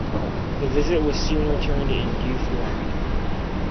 The visit was soon returned in due form.